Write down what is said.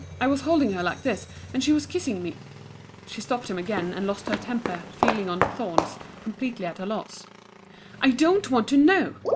I was holding her like this, and she was kissing me—" She stopped him again, and lost her temper, feeling on thorns, completely at a loss. "I don't want to know.